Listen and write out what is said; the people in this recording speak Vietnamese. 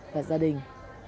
và gia đình